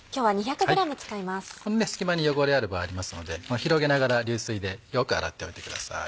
この隙間に汚れある場合ありますので広げながら流水でよく洗っておいてください。